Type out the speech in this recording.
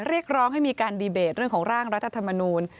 เรียกร้องให้มีการดีเบตเรื่องของร่างรัฐธรรมนูล